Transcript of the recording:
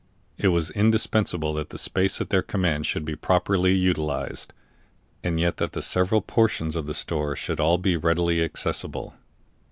It was indispensable that the space at their command should be properly utilized, and yet that the several portions of the store should all be readily accessible.